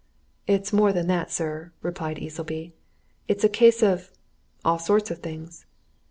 "It's more than that, sir," replied Easleby. "It's a case of all sorts of things.